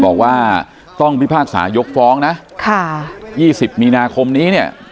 บอกว่าต้องพิพากษายกฟ้องนะค่ะ๒๐มีนาคมนี้เนี่ย